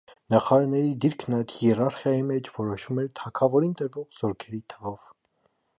Նախարարների դիրքն այդ հիերարխիայի մեջ որոշվում էր թագավորին տրվող զորքերի թվով։